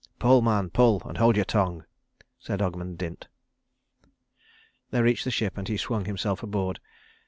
"Pull, man, pull, and hold your tongue," said Ogmund Dint. They reached the ship and he swung himself aboard.